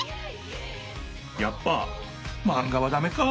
やっぱマンガはダメか。